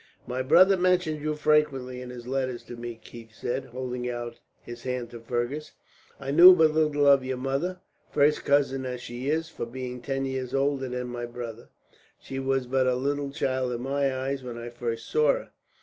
"My brother mentioned you frequently, in his letters to me," Keith said, holding out his hand to Fergus. "I knew but little of your mother, first cousin as she is; for being ten years older than my brother, she was but a little child in my eyes when I last saw her.